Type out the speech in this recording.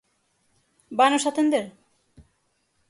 ¿Vanos atender?